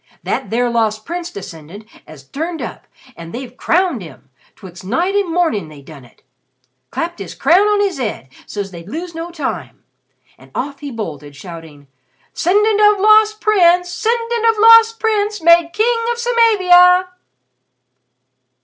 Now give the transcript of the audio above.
That there Lost Prince descendant 'as turned up, an' they've crowned him 'twixt night and mornin' they done it! Clapt 'is crown on 'is 'ead, so's they'd lose no time." And off he bolted, shouting, "'Cendant of Lost Prince! 'Cendant of Lost Prince made King of Samavia!"